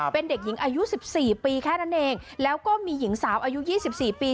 เป็นเด็กหญิงอายุ๑๔ปีแค่นั้นเองแล้วก็มีหญิงสาวอายุ๒๔ปี